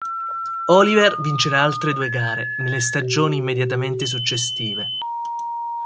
Oliver vincerà altre due gare nell stagioni immediatamente successive.